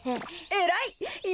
えらい！